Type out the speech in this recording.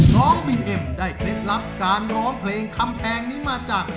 น้องบีเอ็มได้เคล็ดลับการร้องเพลงคำแพงนี้มาจาก